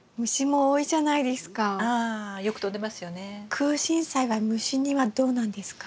クウシンサイは虫にはどうなんですか？